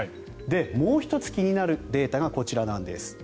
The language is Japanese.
もう１つ気になるデータがこちらなんです。